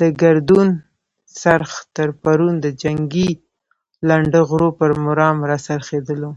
د ګردون څرخ تر پرون د جنګي لنډه غرو پر مرام را څرخېدلو.